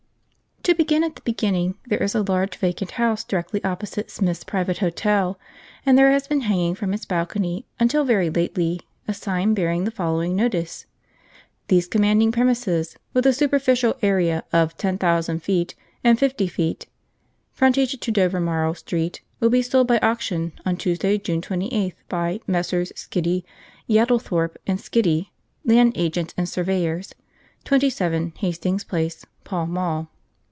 To begin at the beginning, there is a large vacant house directly opposite Smith's Private Hotel, and there has been hanging from its balcony, until very lately, a sign bearing the following notice: THESE COMMANDING PREMISES WITH A SUPERFICIAL AREA OF 10,000 FT. AND 50 FT. FRONTAGE TO DOVERMARLE ST. WILL BE SOLD BY AUCTION ON TUESDAY, JUNE 28TH, BY MESSRS. SKIDDY, YADDLETHORPE AND SKIDDY LAND AGENTS AND SURVEYORS 27 HASTINGS PLACE, PALL MALL.